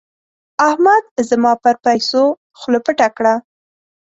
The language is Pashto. احمد زما پر پيسو خوله پټه کړه.